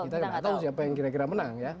kita nggak tahu siapa yang kira kira menang ya